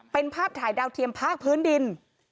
เป็นภาพถ่ายดาวเทียมภาคพื้นดิน